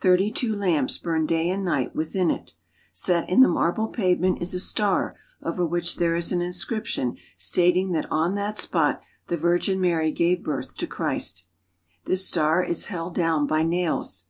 Thirty two lamps burn day and night within it. Set in the marble pavement is a star over which there is an inscrip tion stating that on that spot the Virgin Mary gave birth to Christ. This star is held down by nails.